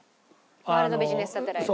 『ワールドビジネスサテライト』？